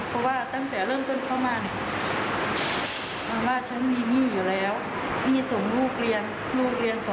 เพราะว่าตั้งแต่เริ่มต้นเข้ามาเนี่ยทำว่าฉันมีหนี้อยู่แล้ว